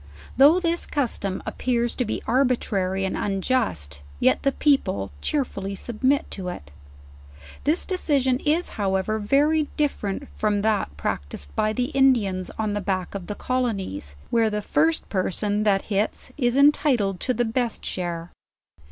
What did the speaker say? Though this custom appears to be arbitrary and unjust, yet the people, cheerfully submit to it. This decision is, however, very different from that practised by the Indians on the back of the colonies, where the first per son that hits is entitled to the best share.